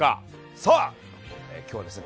さあ今日はですね